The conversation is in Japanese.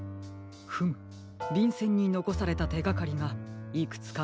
フムびんせんにのこされたてがかりがいくつかみつかりましたよ。